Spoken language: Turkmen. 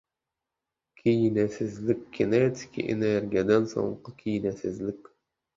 Kinesizlik. Kinetiki energiýadan soňky kinesizlik.